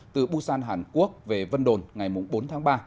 từ busan hàn quốc về vân đồn ngày bốn tháng ba